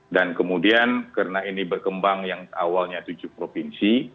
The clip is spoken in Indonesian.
dan kemudian karena ini berkembang yang awalnya tujuh provinsi